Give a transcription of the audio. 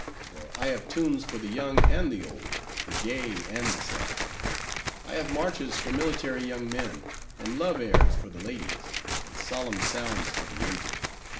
—for I have tunes for the young and the old, the gay and the sad. I have marches for military young men, and love airs for the ladies, and solemn sounds for the aged.